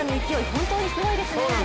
本当にすごいですね。